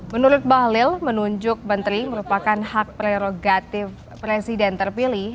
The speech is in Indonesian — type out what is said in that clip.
menurut bahlil menunjuk menteri merupakan hak prerogatif presiden terpilih